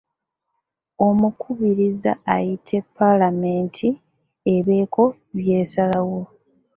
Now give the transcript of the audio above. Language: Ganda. Omukubiriza ayite ppaalamenti ebeeko by'esalawo.